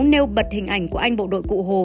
nêu bật hình ảnh của anh bộ đội cụ hồ